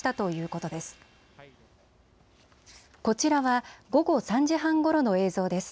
こちらは午後３時半ごろの映像です。